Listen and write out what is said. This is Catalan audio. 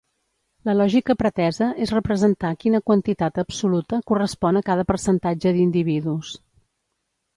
La lògica pretesa és representar quina quantitat absoluta correspon a cada percentatge d'individus.